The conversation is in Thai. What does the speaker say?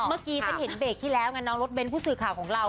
เมื่อกี้ฉันเห็นเบรกที่แล้วไงน้องรถเน้นผู้สื่อข่าวของเรา